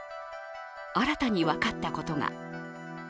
新たに分かったことが。